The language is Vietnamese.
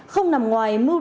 không nằm ngoài moodle